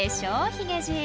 ヒゲじい。